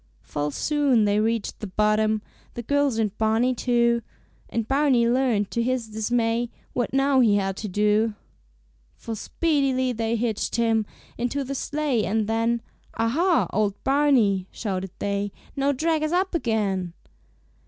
Full soon they reached the bottom, The girls and Barney too; And Barney learned to his dismay, What now he had to do. For speedily they hitched him Into the sleigh, and then "Aha! old Barney," shouted they, "Now drag us up again."